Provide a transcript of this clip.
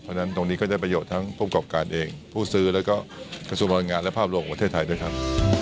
เพราะฉะนั้นตรงนี้ก็จะประโยชน์ทั้งผู้ประกอบการเองผู้ซื้อแล้วก็กระทรวงพลังงานและภาพรวมของประเทศไทยด้วยครับ